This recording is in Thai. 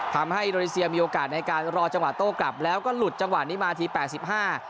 ทำให้อินโดนีเซียมีโอกาสในการรอจังหวะโต้กลับแล้วก็หลุดจังหวะนี้มาทีแปดสิบห้า